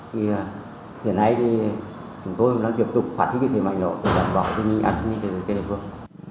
thì hiện nay thì chúng tôi vẫn đang tiếp tục phát triển cái thế mạnh lộn để đảm bảo an ninh trật tự của địa phương